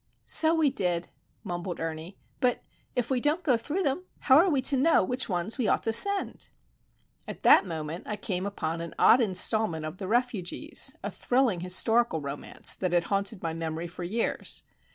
"So we did," mumbled Ernie, "but if we don't go through them, how are we to know which ones we ought to send?" At that moment I came upon an odd instalment of The Refugees, a thrilling historical romance that had haunted my memory for years.